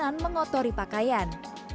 dan mengotori pakaian